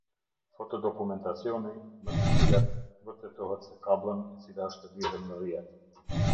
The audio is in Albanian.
Foto dokumentacioni, më të cilat vërtetohet se kabllon e cila është lidhur në rrjet.